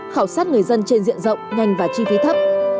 khảo sát người dân trên diện rộng nhanh và chi phí thấp